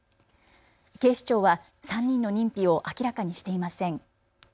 警視庁は３人の認否を明らかにしていません。